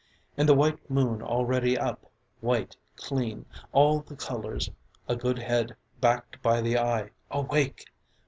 And the white moon already up. White. Clean. All the colors. A good head, backed by the eye awake!